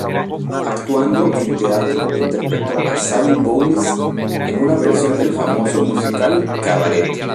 Actuando en teatro, interpretó a Sally Bowles en una versión del famoso musical "Cabaret".